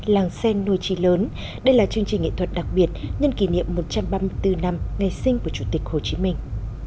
làng xen nôi trì lớn đây là chương trình nghệ thuật đặc biệt nhân kỷ niệm một trăm ba mươi bốn năm ngày sinh của chủ tịch hồ chí minh